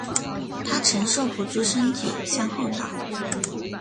她承受不住身体向后倒